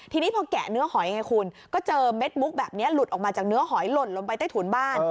ทีนี้พอแกะเนื้อหอยไงคุณก็เจอเม็ดมุกแบบนี้หลุดออกมาจากเนื้อหอยหล่นลงไปใต้ถุนบ้าน